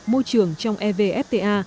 môi trường trong evfta